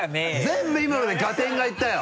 全部今ので合点がいったよ！